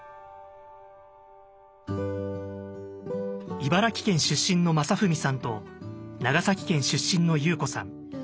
茨城県出身の将史さんと長崎県出身の裕子さん。